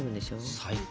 最高。